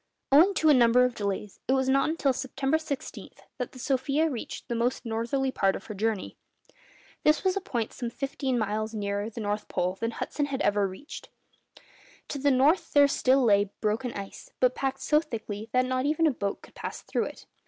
Owing to a number of delays, it was not until September 16 that the 'Sofia' reached the most northerly part of her journey. This was a point some fifteen miles nearer the North Pole than Hudson had reached. To the north there still lay broken ice, but packed so thickly that not even a boat could pass through it.